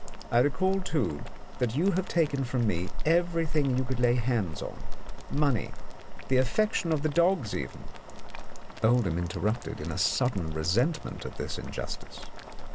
I recall, too, that you have taken from me everything you could lay hands on, money, the affection of the dogs even " Oldham interrupted in sudden resentment at this injustice.